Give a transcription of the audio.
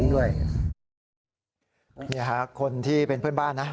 นี่ค่ะคนที่เป็นเพื่อนบ้านนะ